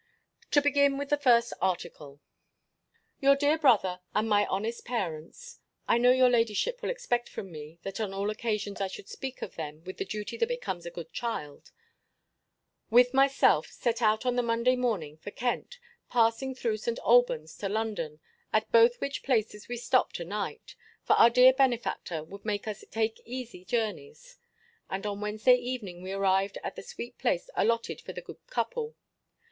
To begin with the first article: Your dear brother and my honest parents (I know your ladyship will expect from me, that on all occasions I should speak of them with the duty that becomes a good child) with myself, set out on the Monday morning for Kent, passing through St. Albans to London, at both which places we stopped a night; for our dear benefactor would make us take easy journeys: and on Wednesday evening we arrived at the sweet place allotted for the good couple.